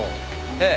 ええ。